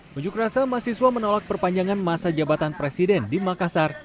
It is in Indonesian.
menjukrasa mahasiswa menolak perpanjangan masa jabatan presiden di makassar